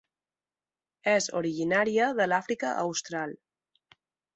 És originària de l'Àfrica Austral.